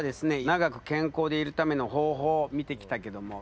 長く健康でいるための方法を見てきたけども。